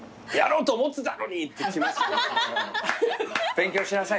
「勉強しなさい」